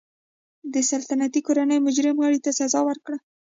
د سلطنتي کورنۍ مجرم غړي ته ځانګړې سزا وه.